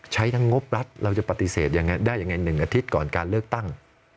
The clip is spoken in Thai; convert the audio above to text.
ใช้ทั้งงบรัฐเราจะปฏิเสธยังไงได้ยังไง๑อาทิตย์ก่อนการเลือกตั้ง